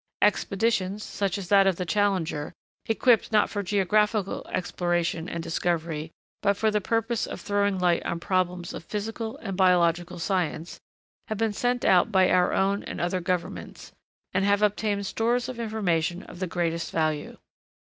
Expeditions, such as that of the Challenger,' equipped, not for geographical exploration and discovery, but for the purpose of throwing light on problems of physical and biological science, have been sent out by our own and other Governments, and have obtained stores of information of the greatest value.